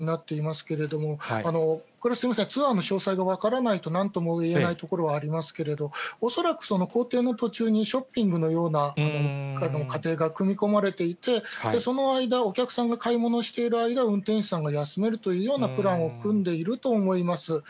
基本的には４時間運転したら１時間ぐらい休憩ということになっていますけれども、これ、すみません、ツアーの詳細が分からないとなんとも言えないところがありますけれども、恐らく行程の途中にショッピングのような過程が組み込まれていて、その間、お客さんが買い物をしている間、運転手さんが休めるというようなプランを組んでいると思います。